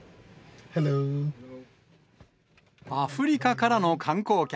アフリカからの観光客。